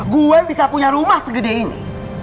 gue bisa punya rumah segede ini